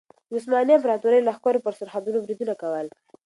د عثماني امپراطورۍ لښکرو پر سرحدونو بریدونه کول.